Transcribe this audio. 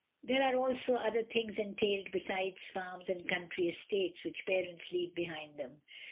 There are also other things entailed besides farms and country estates which parents leave be hind them.